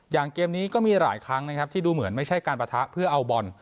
เกมนี้ก็มีหลายครั้งนะครับที่ดูเหมือนไม่ใช่การปะทะเพื่อเอาบอล